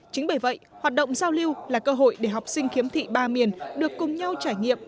chính bởi vậy hoạt động giao lưu là cơ hội để học sinh khiếm thị ba miền được cùng nhau trải nghiệm